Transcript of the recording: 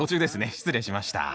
失礼しました